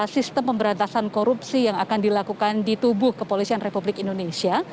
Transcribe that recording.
sistem pemberantasan korupsi yang akan dilakukan di tubuh kepolisian republik indonesia